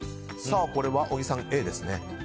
これは小木さん、Ａですね。